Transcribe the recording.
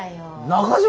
中島？